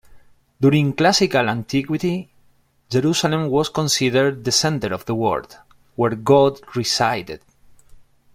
During classical antiquity, Jerusalem was considered the center of the world, where God resided.